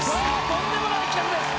とんでもない企画です。